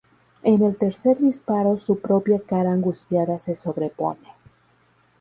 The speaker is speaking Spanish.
En el tercer disparo su propia cara angustiada se sobrepone.